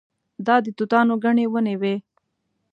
دا د توتانو ګڼې ونې وې.